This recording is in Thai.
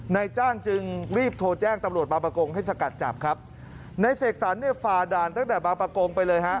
นายจ้างจึงรีบโทรแจ้งตำรวจบางประกงให้สกัดจับครับนายเสกสรรเนี่ยฝ่าด่านตั้งแต่บางประกงไปเลยฮะ